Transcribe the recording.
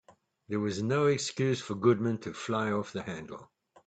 There was no excuse for Goodman to fly off the handle.